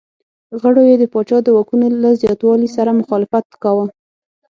غړو یې د پاچا د واکونو له زیاتوالي سره مخالفت کاوه.